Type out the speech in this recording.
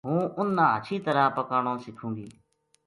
ہوں اُنھ نا ہچھی طرح پکانو سِکھوں گی